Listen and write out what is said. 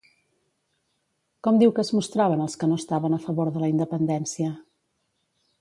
Com diu que es mostraven els que no estaven a favor de la independència?